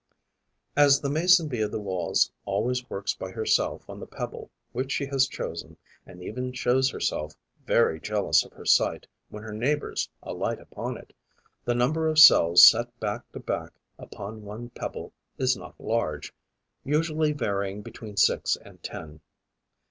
As the Mason bee of the Walls always works by herself on the pebble which she has chosen and even shows herself very jealous of her site when her neighbours alight upon it, the number of cells set back to back upon one pebble is not large, usually varying between six and ten.